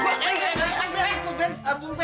babe main bukul aja